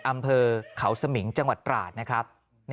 อำเภอเขาสมิงจังหวัดตราดนะครับ